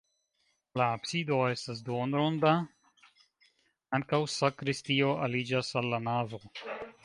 La absido estas duonronda, ankaŭ sakristio aliĝas al la navo.